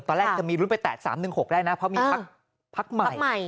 ตอนแรกจะมีลุ้นไป๘๓๑๖ได้นะเพราะมีพักใหม่